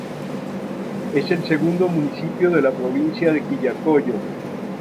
Es el segundo municipio de la provincia de Quillacollo.